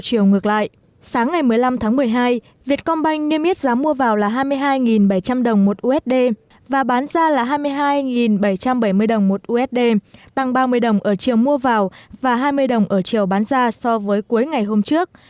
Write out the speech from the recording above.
chiều ngược lại sáng ngày một mươi năm tháng một mươi hai việt công banh niêm yết giá mua vào là hai mươi hai bảy trăm linh đồng một usd và bán ra là hai mươi hai bảy trăm bảy mươi đồng một usd tăng ba mươi đồng ở chiều mua vào và hai mươi đồng ở chiều bán ra so với cuối ngày hôm trước